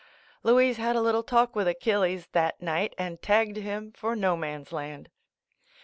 Louise had a little talk with Achilles that night and tagged him for no man's land.